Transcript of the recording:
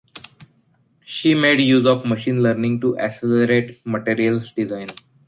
She made use of machine learning to accelerate materials design.